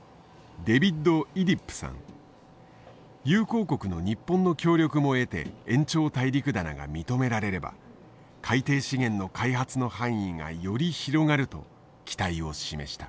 友好国の日本の協力も得て延長大陸棚が認められれば海底資源の開発の範囲がより広がると期待を示した。